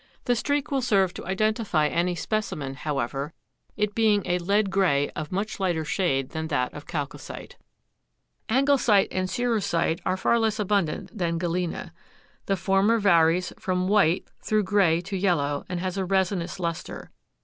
The streak will serve to identify any specimen, however, it being a lead gray of much lighter shade than that of chalcocite. Anglesite and cerussite are far less abundant than galena. The former varies from white through gray to yellow and has a resinous luster.